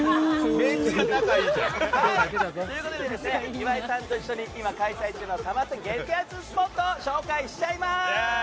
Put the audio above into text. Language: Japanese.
岩井さんと一緒に今、開催中のサマステ激アツスポットを紹介しちゃいます！